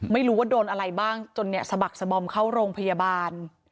ไม่รู้ว่าโดนอะไรบ้างจนเนี่ยสะบักสบอมเข้าโรงพยาบาล